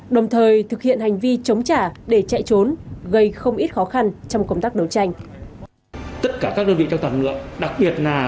đồng thời thực hiện hành vi chống trả để chạy trốn gây không ít khó khăn trong công tác đấu tranh